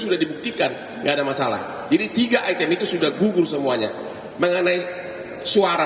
sudah dibuktikan enggak ada masalah jadi tiga item itu sudah gugur semuanya mengenai suara